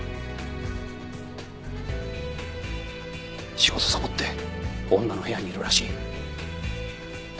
仕事サボって女の部屋にいるらしい。